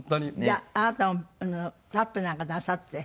じゃああなたもタップなんかなさって？